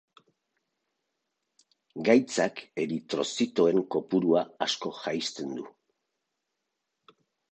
Gaitzak eritrozitoen kopurua asko jaisten du.